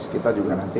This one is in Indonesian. kita juga nanti